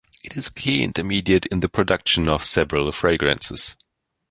It is a key intermediate in the production of several fragrances.